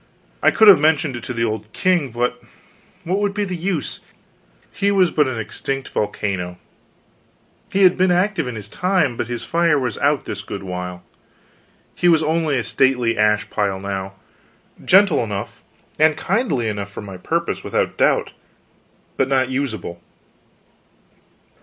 I could have mentioned it to the old king, but what would be the use? he was but an extinct volcano; he had been active in his time, but his fire was out, this good while, he was only a stately ash pile now; gentle enough, and kindly enough for my purpose, without doubt, but not usable.